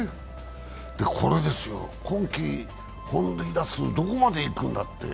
今季、本塁打数どこまでいくんだって。